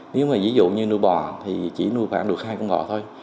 nếu mà ví dụ như nuôi bò thì chỉ nuôi khoảng được hai con bò thôi